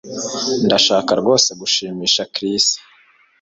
Ndashaka rwose gushimisha Chris